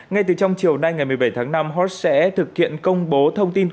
ngay từ trong chiều nay ngày một mươi bảy tháng năm horses sẽ thực hiện công bố thông tin